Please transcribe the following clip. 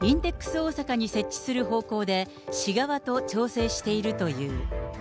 大阪に設置する方向で、市側と調整しているという。